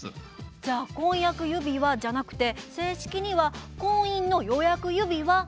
じゃあ「婚約指輪」じゃなくて正式には「婚姻の予約指輪」になるんですね。